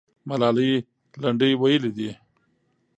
ملالۍ لنډۍ ویلې دي.